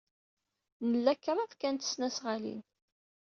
Nla kraḍt kan n tesnasɣalin.